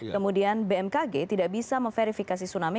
kemudian bmkg tidak bisa memverifikasi tsunami